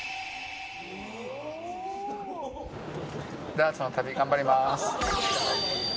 ダーツの旅、頑張りまーす。